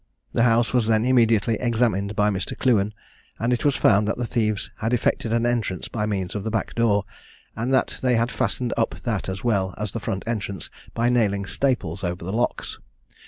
The house was then immediately examined by Mr. Clewen; and it was found that the thieves had effected an entrance by means of the back door, and that they had fastened up that as well as the front entrance by nailing staples over the locks.